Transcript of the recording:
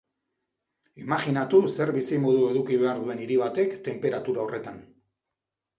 Imajinatu zer bizimodu eduki behar duen hiri batek tenperatura horretan.